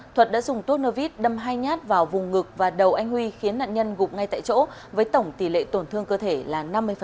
thuật đã dùng tuốt nơ vít đâm hai nhát vào vùng ngực và đầu anh huy khiến nạn nhân gục ngay tại chỗ với tổng tỷ lệ tổn thương cơ thể là năm mươi